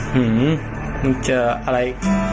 หือมึงเจออะไร